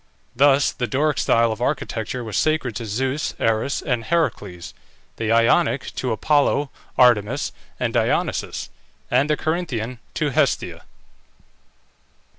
Thus the Doric style of architecture was sacred to Zeus, Ares, and Heracles; the Ionic to Apollo, Artemis, and Dionysus; and the Corinthian to Hestia.